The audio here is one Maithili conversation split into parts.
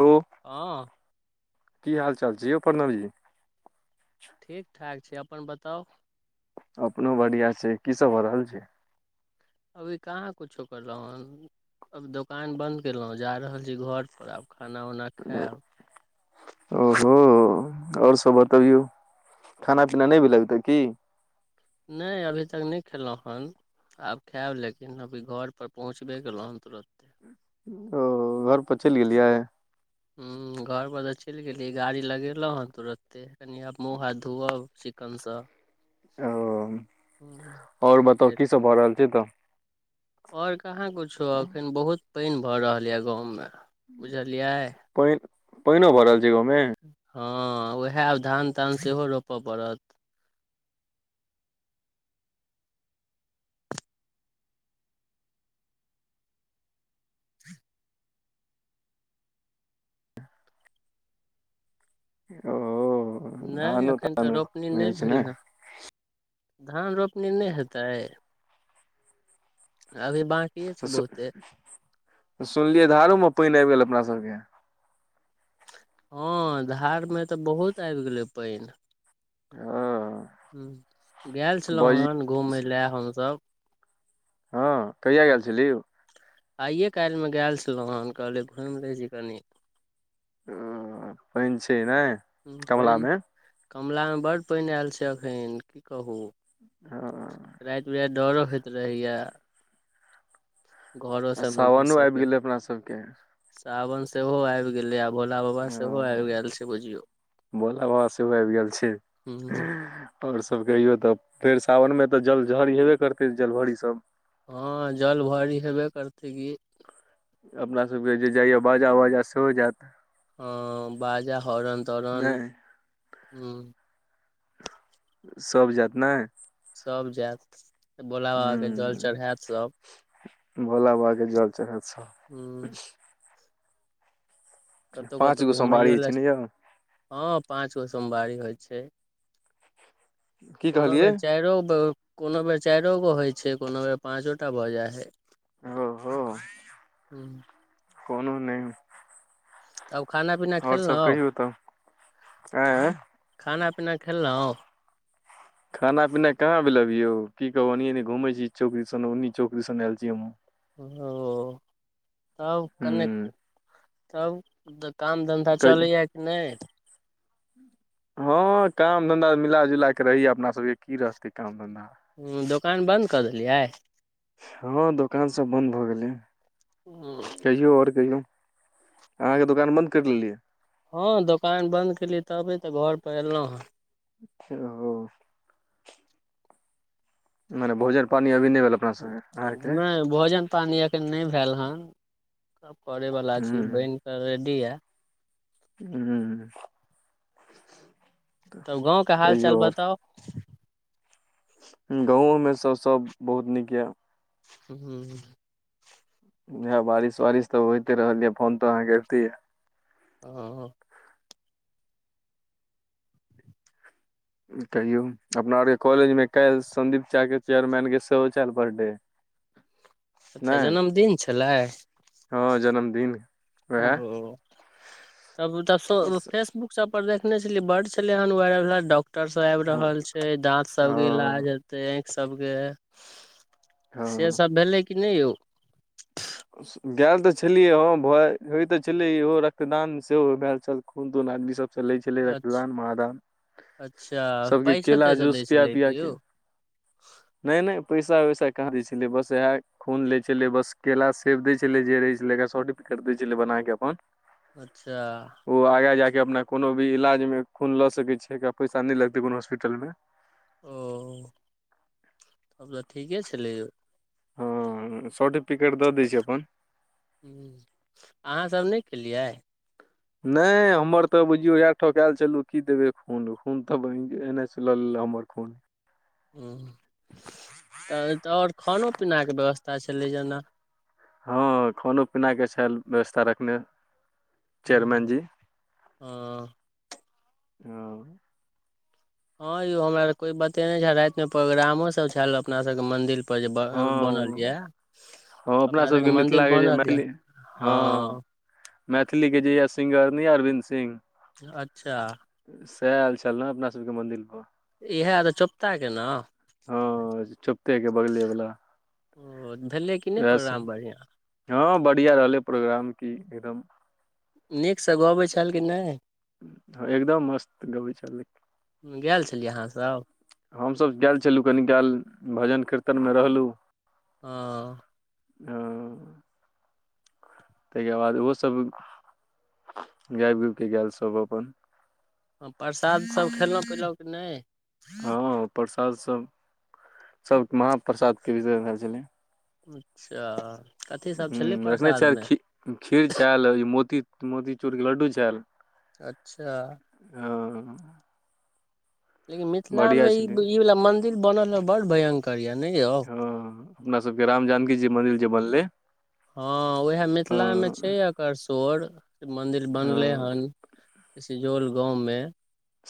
हो हँ। की हाल चाल छै यौ प्रणव जी ठीक ठाक छै अपन बताउ अपनो बढ़िआ छै की सब भऽ रहल छै अभी कहाँ कुछो करलहु हन अब दोकान बंद केलहु जा रहल छी घर पर आब खाना उना खेब ओहो ओर सब बतबियौ खाना पीना नहि भेलै हन त की नै अभी तक नहि खेलऊंहन् आब खायब लेकिन अभी घरपर पहुँचबे केलहुँ तुरत ओ घर पर चैल गेलियै ह घर पर तऽ चैल गेली गाड़ी लगेलहु हँ तुरते कनि आब मुँह हाथ धोअब चिकनसँ ओ हूँ ओर बताउ फेर की सब भऽ रहल छै तऽ और कहाँ कुछो अखन बहुत पैन भऽ रहल य गाँव मे बुझलियै पनि पैनो भ रहल छै गाँवमें हँ उएह आ धान तान सेहो रोपय पड़त ओ नहि धानो एखन तऽ तानो रोपनी नहि होइ छै ने भेलै हँ धान रोपनी नहि हेतै अभी बाँ सु सुनलियै धारोमे पानि आबि गेल अपना सबके हँ धार मे तऽ बहुत आबि गेलै पानि हँ गेल छलहुँ बाजी हन् घूमय लए हमसभ हँ कहिया गेल छली यौ आइए काल्ह मे गेल छलहुँ हेन कहलियै घुमि लै छी कनी हॅं हं पैन छै नै पनि कमलामे बड पनि आयल छै एखन की कहू ह राति बिराति डरो होइत रहैया घरो समे सावनो आबि घुसऽके गेलै अपना सबके सावन सेहो आइब गेलै आ भोला बाबा सेहो आब हँ गेल छै बुझियौ भोला बाबा सेहो आइब गेल छै ह और सब कहियौ तब फेर सावनमे तऽ जलझरि हेबे करतै जलभरि सभ हँ जल भरि हेबे करतै कि अपना सबके जे जाइय बाजा ओजा सेहो जायत हँ बाजा हरण तरण नहि हूं सभ जति ने सभ जेऽत भोला बाबाके जल हूँ चढ़ायत सभ भोला बाबा के जल चढ़ेत सब ह कतौ पाँच कतौ गो घुमैयो सोमवारी लए छै ने यौ हँ पाँच गो सोमवारी होइ छै की कोनो कहलियै बेर चाइरो कोनो बेर चैरो गो होइ छै कोनो बेर पाँचो टा भऽ जाइ हइ ओहो हू कोनो नहि तब खाना पीना आओर सब खेलऊं कहियौ तऽ आँय खाना पीना खेलऊं ह [inaudible] खाना पीना कहाँ भेल अभी यौ की कहु एनि एनि घुमै छी चौक दीसन ओन्ही चौक दूसन आल छी हमहुँ ओ तब कने हूँ तब तऽ काम धन्धा कहि चलैया कि नहि हँ काम धन्धा मिलाजुला कऽ रहैया अपना सभके की रहतै काम धन्धा हँ दोकान बन्द कऽ देलियै हँ दोकान सब बंन्द भऽ गेलै हूंम्म कहियौ आओर कहियौ अहाँके दोकान बन्द करि लेलियै हँ दोकान बंन्द केलियै तबे तऽ घर पर एलहुँ हँ [inaudible] मने भोजन पानी अभी नै भेल अपना सबके अहाँके नैय भोजन पानि एखन नैय भेल हन सब परै वला हूं छी बन कऽ रेडी या हू तब गाँव के हाल चाल बताउ गाँवोमेसँ सब बहुत नीक यऽ हूंम्म हा बारिश वारिश तऽ होते रहल य फोन तो अहाँकेतीे यै हाँ कहियौ अपना आरके कॉलेज मे काल्ह संदीप चा के चेयरमन के सेहो चल बर्थदे [inaudible] अच्छा जन्मदिन छलै हँ जन्मदिन वएह ओ तब तब फेसबुक सब पर देखने छलियै बड्ड छलै हन वायरल डॉक्टर सब आबि हँ रहल छै दाँत सबके हँ इलाज हेते आँखि सबके से हँ सब भेलै कि नै यौ गेल तऽ छलियै ह भ होइत तऽ छलै इहो रक्तदान सेहो भेल छल खून तून इ सब चलै छलै रक्तदान माहादान अच्छा सबके पैसो केला तैसो दै जूस पिया छलै पिया कि यौ के नहि नहि पैसा वैसा कहाँ दै छलै बस इएह खून लैय छलै बस केला सेव दैय छलै जे रहै छलै एकरा सर्टिफिकेट दै छलै बनाके अपन अच्छा ओ आगाँ जाकऽ अपना कोनो भी इलाजमे खून लऽ सकै छै एक पैसा नहि लगतै कोनो हॉस्पिटलमे ओ तब तऽ ठीके छलै यौ हँ सर्टिफिकेट दऽ दै छै अपन ओ अहाँ सब नहि केलियै नहि हमर तऽ बुझियौ ठकायल चलू की देबे खून खून तऽ [unintelligible] से ल हमर खून हूंम्म तऽ तऽ आओर खानो पीनाके व्यवस्था छलै जेना हँ खानो पीनाके छैल व्यवस्था रखने हँ चेयरमैन जी हँ हाँ यौ हमरा कोई बतेने छेव राति मे प्रोग्रामो सब छल अपना सब के मंदिर पर पर जे [inaudible] बनल ये हँ हँ अपना अपना सबके मंदिर मिथिला के जे बनल या हाँ मैथिलीके जे यऽ सिंगर नहि ये अरविन्द सिंह अच्छा सएह आयल छल ने अपना सबके मन्दिर पर इएह तऽ चोपता के न हँ चोपते के बगले वला ओ भेलै क वैह सब हँ बढ़िया रहलै प्रोग्राम की एकदम नीकसँ गबैत छल कि नै एकदम मस्त गबै छैल गेल छलियै अहाँसभ हमसभ गेल छलहुँ कनिकाल भजन कीर्तनमे रहलु हां हं ताहिके बाद ओहो सब गाबि गुबिके गेल सब अपन हँ प्रसाद सब खयलौ पीलौकि नहि हँ प्रसाद सब सब महाप्रसादके व्यवस्था छलै अच्छा कथी सब छलै हूं एखने प्रसादमे खीर छेल ई मोती मोतीचूरके लड्डू छेल अच्छा ह लेकिन मिथिला बढ़िया मे ई छलै ई वाला मंदिर बनल ह बड़ भयङंकर यऽ न यौ हँ अपना सबके राम जानकी जी मन्दिर जे बनलै हँ उएह हँ मिथिलामे छै एकर शोर कि मन्दिर हँ बनलै हन सिजौल गाँवमे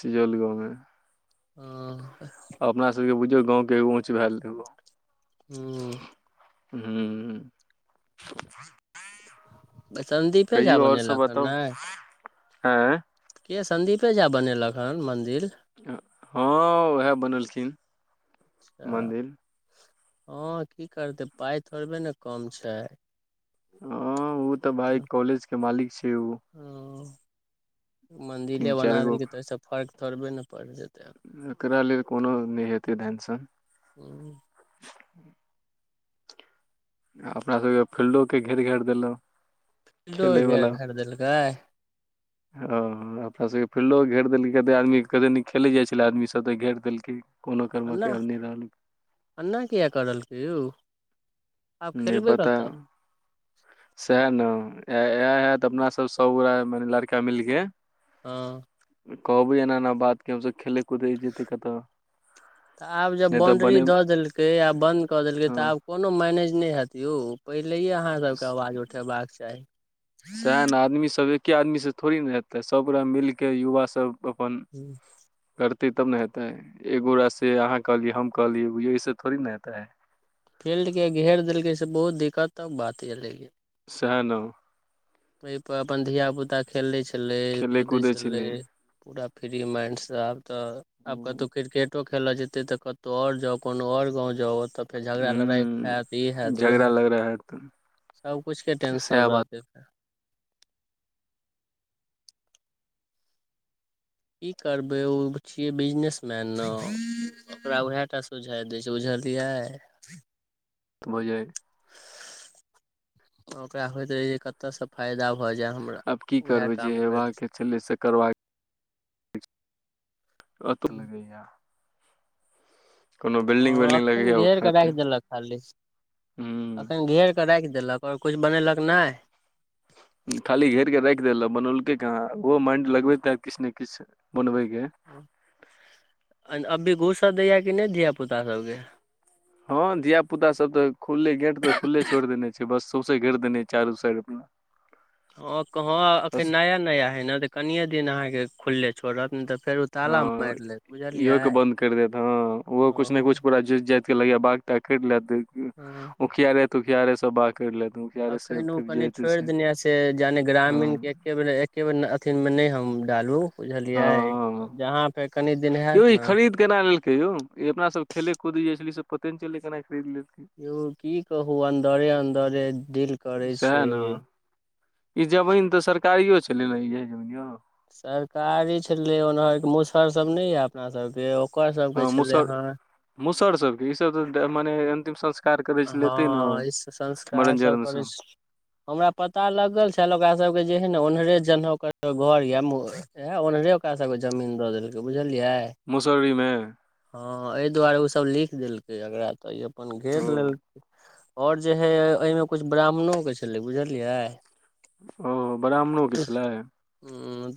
सिजौल गाँवमे हां अपना सबके बुझियौ गाँवके एगो ऊँच भेल एगो हू हू संदीपे झा कहियौ आओर सब बनेलक हन बताउ ने आँय के सन्दीपे झा बनेलक हन मन्दिर हँ उएह बनेलखिन अच्छा मंदिर हँ की करतै पाइ थोड़बे न कम छै हं ओ तऽ भाय कॉलेज के मालिक छै ओ हूं तीन मन्दिले बना चारि गो देलकै तऽ ओसे फर्क थोड़बे न पड़ि जेतै एकरा लेल कोनो नहि हेतै धन शन हू अपना सभके फील्डोके घेर घारि देलक फिल्डो खेले घेर घारि देलकै ओ अपना सबके फील्डो घेर देलकै कते आदमीे कतेक नीक खेलै जाइत छलै आदमी सब तऽ घेर देलकै कोनो कर्मक आब नहि रहलै एन्ना किए क दलकै यौ आब नहि खेलबै पता कतऽ सएह ने इएह है तऽ अपना सब सभगो माने लड़का मिलके हँ कहबै एना एना बात के हमसब खेलै तऽ आब जब नहि तऽ बाउंड्री बने दऽ देलकै आ बंन्द कऽ देलकै तऽ हँ आब कोनो मैनेज नहि हेत यौ पहिलेहि अहाँ सबके आवाज उठेबाक चाही सएह ने आदमी सब एक्के आदमीसँ थोड़े ने हेतै सबगोटा मिलिक युवा सब अपन हूँ करतै तब ने हेतै एगोरा से अहाँ कहलियै हम कहलियै बुझियौ एहिसँ थोड़ी न हेतै फील्डके घेर देलकै से बहुत दिक्कतक बात एलै सएह न ओयपर अपन धियापुता खेलै छलै कूदै छलै पूरा फ्री माइंडसँ आब तऽ आब कतौ हूँ क्रिकेट खेलऽ जेतै तऽ कतौ आओर जाउ कोनो आओर गाँव जाउ ओतऽ फेर झगड़ा लड़ाइ हैत ई हूँ हैयत उ झगड़ा हैत लग रहा है तऽ सबकिछुके सएह टेंशन बात रहतै की करबै ओ छियै बिजनेसमैन न ओकरा उएह टा सुझाय दै छै बुझलियै बुझै ओकरा होयइत रहे जे कतय से फायदा भऽ जाय हमरा आब की उएह करबै जे काम करैत हेबाक छलै से करबाक अतु हँ [inaudible] बिल्डिंग हँ विल्डिंग अखैन लगैया घेर कऽ उठाते राखि देलक खाली हूँ अखैन घेर राखि देलक और कुछ बनेलक नहि खाली घेरके राखि देल बनौेलकै हँ ओहो माइंड लगबेैते किछु ने किछु बनबैके अभी घूसाव दैये कि नहि धियापुता सबके हँ धिया पुता सब तऽ खुलले गेट तऽ खुल्ले छोड़ देने छै बस सौसे घेट देने छै चारू साइड अपना हँँ अखैन बस नया नया हय ने तऽ कनिये दिन अहाँके खुलले छोड़त ने तऽ फेर ताला हँ मारि लेत इहो बुझलियै के बंन्द कर देत हँ ओहो कुछ ने कुछ हँ पूरा जस जाइत के लगैये बाग टा कटि ले दे ह [inaudible] ओखियारे तूखियारे सब बाग करि लेतै अखन ओ कनि छोड़ि देने से जानि ग्रामीण के हँ एके बेर एके बेर अथीमे नै हम डालू बुझलियै हँ जहाँपे कनी दिन यौ हेत ई ने खरीद केना लेलके यौ ई अपना सब खेले कूदी जे छले से पते नइ चलइ केना खरीद लेलकै यौ की कहू अन्दरे अन्दरे डिल सएह ने ई जमीन तऽ सरकारियो छलै ना इएह जमीनओ सरकारी छलै ओना एक मुसहर सब नै ये अपना सबके ओकर सबके हँ छलै मुसहर हँ मुसहर सबके ईसभ तऽ मने अन्तिम संस् हँ इसँ मरण संस्कारसभ जरण करै सब छी हमरा पता लगल छल ओकरा सबके जे हइ ने ओन्हरे जनेहउ घर या ए ओन्नरे ओकरा सबके जमीन देलकै बुझलियै मुशहरी मे हँ एहि दुआरे ओसभ लिख देलकै एकरा तऽ ई अपन ओ घेर लेलकै आओर जे हइ एहिमे किछु ब्राह्मणोके छलै बुझलियै ओ ब्राह्मणोे के छलै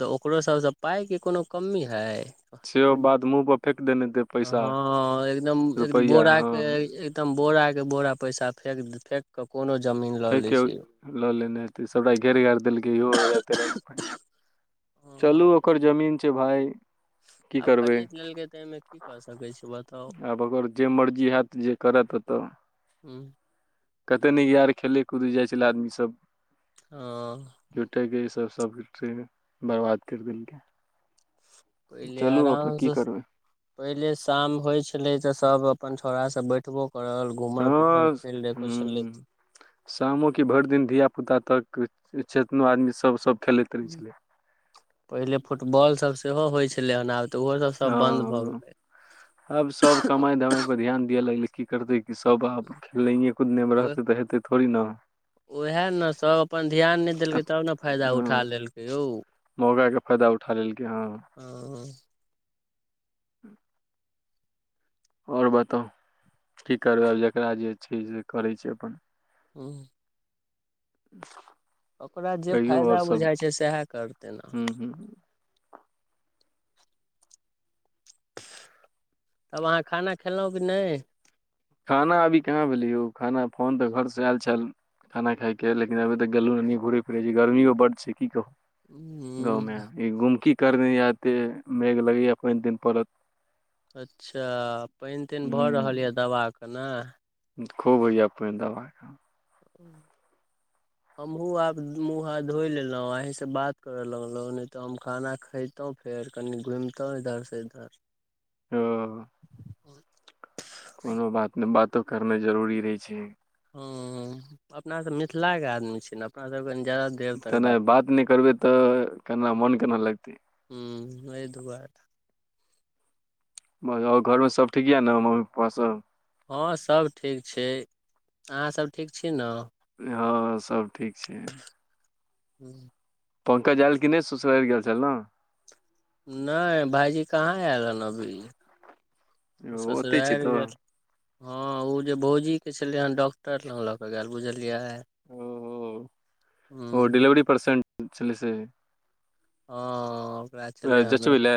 तऽ ओकरो सबसँ पाइके कोनो कमी हय सेहो बात मुँह पर फेेक देने हेतै पैसा हँ एकदम एकदम रुपैआ बोराके हँ एकदम बोराक के बोरा पैसा फेक फेक कऽ कोनो जमीन लऽ लै फेेके छै लऽ लेने हेतै सबटा घेर घारि देलकै इहो राइते राति मे चलू हँ ओकर जमीन छै भाय की आब करबै खरीद लेलकै तऽ एहिमे की कऽ सकै छी बताउ आब अगर जे मर्जी हेत जे करत तऽ हूंम्म कते नीक यार खेलै कूदै जाइ छलै आदमीसभ ओ जुटयके ईसभ सबके बर्बाद करि देलकै पहिले चलू अपन आराम से की करबै पहिले शाम होय छलै तऽ सब अपन छौड़ा सब बैठबो करल घुमल फिर हँ फो [unintelligible] चल हूँ शामो के भरि दिन धियापुता तक चेतनो आदमी सभ सभ खेलैत रहै छलै पहिले फुटबॉल सब सेहो होइ छलै हेन आब तऽ ओहो सब सब बन्द भऽ हँ गेलै आब सब कमाइ धमाइ पर ध्यान दिअ लगले की करते क सब आब खेलनाइये कुदनाइ मे ओह रहतै तऽ हेतै थोड़ी ने उएह ने सभ अपन ध्यान नहि अ- देलकै तब ने फायदा उठा लेलकै यौ मौगा के फायदा उठा लेलकै हँ ओ ह्म आओर बताउ की करबै आब जकरा जे छै से करै छै अपन हूँ ओकरा, जे कहियौ फायदा बुझाइ छै सएह करतै ने। हू तब अहाँ खाना खेलहु कि नहि खाना अभी कहाँ भेलै खाना फोन तऽ घरसँ आयल छल। खाना खायके लेकिन अभी तक गेलहुँ नहि घूरे फिरे छी गर्मी बड छै की कहू। गावमे ह ई गुमकी करने आते मेघ लगैया पैन तैन पड़त। अच्छा, पानि तानि भऽ रहल हूँ यऽ दवबाके ने। खूब होईयै पैन दबबाक ह। ह। हमहु आब मुह हाथ धो लेलहु आहेसे बात करे लगलो ने ते हम खाना एतहुँ फेर कनी घुमितहुँ इधर से इधर ओ कोनो बात नहि बातो करनाइ जरूरी रहै छै। हँ, अपनासभ मिथिलाके आदमी छैय ने अपनासभकेनि जदा तेना बात नहि करबै तऽ केना मोन केना लगतै। ह ओ दुवरे आओर घरमे सभ ठीक यऽ ने मम्मी पप्पा सभ? हँ, सभ ठीक छै। अहाँ सभ ठीक छी ने हँ, सभ ठीक छै। हू। पंकज आयल कि नहि ससुरारि गेल छल ने। नहि भायजी कहाँ आयल हन अभी ओ ओतै छै ससुरबि तऽ गेल हँ, ओ जे भौजीके छलै हँ, डॉक्टर लग लऽ कऽ गेल बुझलियै? ओ हो ओ हँ डिलिवरी परर्सेन्ट छलै से। ह, ओकरा छलै हन जचवलै?